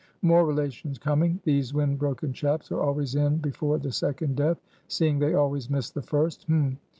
"More relations coming. These wind broken chaps are always in before the second death, seeing they always miss the first.